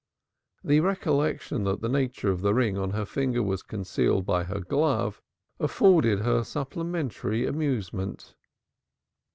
The recollection that the nature of the ring on her finger was concealed by her glove afforded her supplementary amusement.